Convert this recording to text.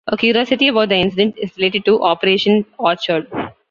A curiosity about the incident is related to Operation Orchard.